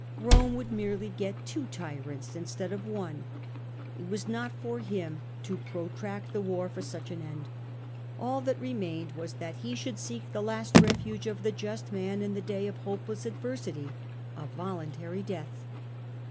Rome would merely get two tyrants instead of one ; it was not for him to protract the war for such an end. All that remained was that he should seek the last refuge of the just man in the day of hopeless adversity, a voluntary death.